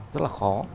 rất là khó